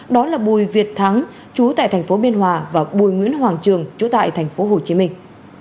đó là bùi việt thắng chú tại thành phố biên hòa và bùi nguyễn hoàng trường chú tại thành phố hồ chí minh